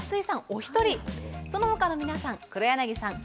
お一人その他の皆さん黒柳さん